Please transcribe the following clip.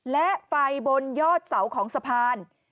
และไฟบนยอดเสาของสะพาน